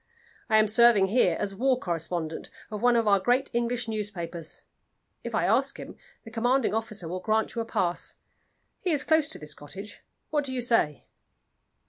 I am serving here as war correspondent of one of our great English newspapers. If I ask him, the commanding officer will grant you a pass. He is close to this cottage. What do you say?"